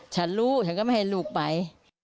ฉันรู้ฉันก็ไม่ให้ลูกไป